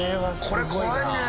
これ怖いね。